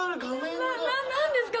何ですか？